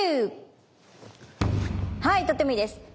はいとてもいいです。